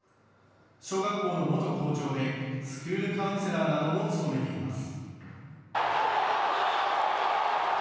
小学校の元校長でスクールカウンセラーなども務めています。